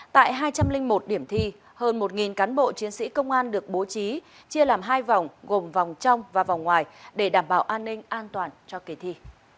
tại hai trăm linh một điểm thi hơn một cán bộ chiến sĩ công an được bố trí chia làm hai vòng gồm vòng trong và vòng ngoài để đảm bảo an ninh an toàn cho kỳ thi